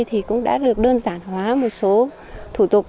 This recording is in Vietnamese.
thì cũng đã được đơn giản hóa một số thủ tục